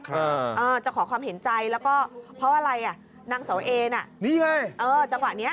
เออจะขอความเห็นใจแล้วก็เพราะอะไรอ่ะนางเสาเอน่ะนี่ไงเออจังหวะเนี้ย